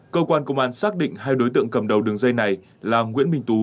cơ quan công an xác định hai đối tượng cầm đầu đường dây này là nguyễn minh tú